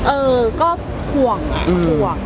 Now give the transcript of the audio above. เออก็เพลง